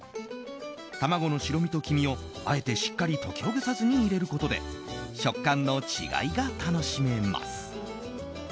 卵の白身と黄身をあえてしっかり溶きほぐさずに入れることで食感の違いが楽しめます。